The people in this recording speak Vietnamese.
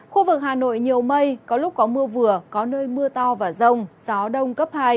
khu vực hà nội nhiều mây có lúc có mưa vừa có nơi mưa to và rông gió đông cấp hai